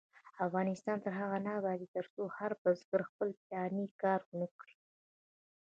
افغانستان تر هغو نه ابادیږي، ترڅو هر بزګر خپل پلاني کار ونکړي.